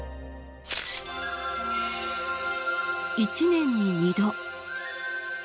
１年に２度。